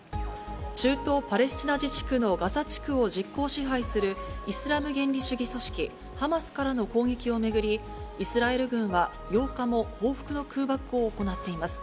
中東パレスチナ自治区のガザ地区を実効支配する、イスラム原理主義組織ハマスからの攻撃を巡り、イスラエル軍は８日も報復の空爆を行っています。